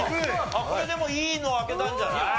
これでもいいの開けたんじゃない？